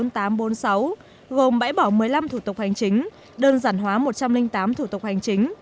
tổng số bốn nghìn tám trăm bốn mươi sáu gồm bãi bỏ một mươi năm thủ tục hành chính đơn giản hóa một trăm linh tám thủ tục hành chính